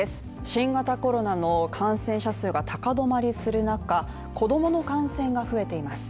新型コロナの感染者数が高止まりする中、子供の感染が増えています。